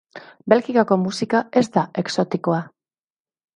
Belgikako musika ez da exotikoa.